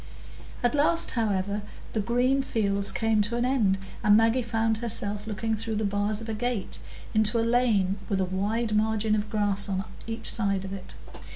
At last, however, the green fields came to an end, and Maggie found herself looking through the bars of a gate into a lane with a wide margin of grass on each side of it.